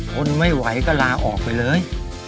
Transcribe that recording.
ทนไม่ไหวก็ลาออกไปเลย